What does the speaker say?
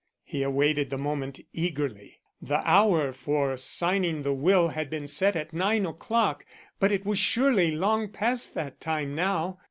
He awaited the moment eagerly. The hour for signing the will had been set at nine o'clock, but it was surely long past that time now.